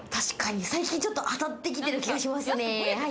最近ちょっと当たってきてる気がしますね。